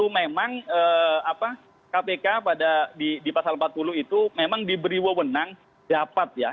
memang kpk pada di pasal empat puluh itu memang diberi wawonan dapat ya